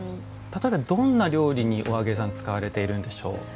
例えばどんな料理にお揚げさん使われているんでしょう？